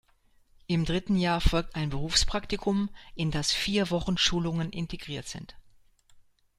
Im dritten Jahr folgt ein Berufspraktikum, in das vier Wochen Schulungen integriert sind.